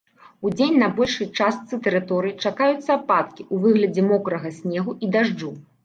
Удзень на большай частцы тэрыторыі чакаюцца ападкі ў выглядзе мокрага снегу і дажджу.